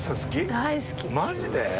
マジで？